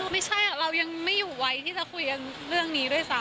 ไม่ใช่เรายังไม่อยู่ไวที่จะคุยกันเรื่องนี้ด้วยซ้ำ